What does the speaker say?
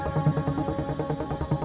itu kan cowok yang tadi sama reva